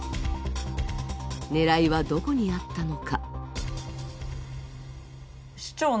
狙いはどこにあったのか。